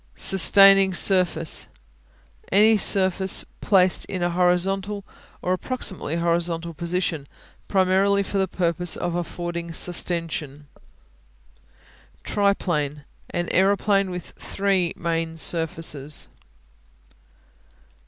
Sustaining Surface Any surface placed in a horizontal or approximately horizontal position, primarily for the purpose of affording sustension. Triplane An aeroplane with three main surfaces.